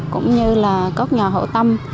cũng như là các nhà hậu tâm